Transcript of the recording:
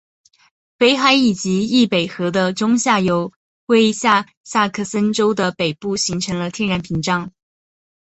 北海以及易北河的中下游为下萨克森州的北部形成了天然屏障。